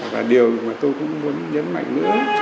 và điều mà tôi cũng muốn nhấn mạnh nữa